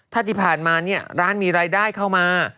ถ้าที่ผ่านมาเนี่ยร้านมีรายได้เข้ามา